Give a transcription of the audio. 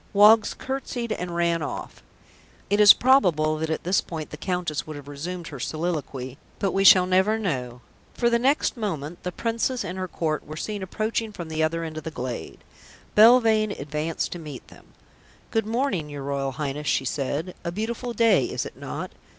Woggs curtsied and ran off. It is probable that at this point the Countess would have resumed her soliloquy, but we shall never know, for the next moment the Princess and her Court were seen approaching from the other end of the glade. Belvane advanced to meet them. "Good morning, your Royal Highness," she said, "a beautiful day, is it not?"